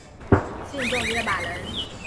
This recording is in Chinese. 信众约百人。